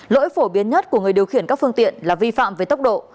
lỗi phổ biến nhất của người điều khiển các phương tiện là vi phạm về tốc độ